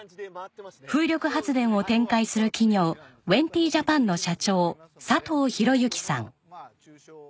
風力発電を展開する企業ウェンティ・ジャパンの社長佐藤裕之さん。